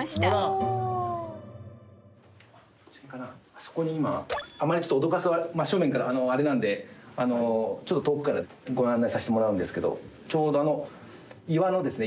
あそこに今あまりちょっと脅かすと真正面からはあれなんでちょっと遠くからご案内させてもらうんですけどちょうどあの岩のですね